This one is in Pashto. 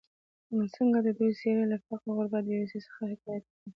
نو ځکه د دوي څېرې له فقر، غربت ، بېوسي، څخه حکايت کوي.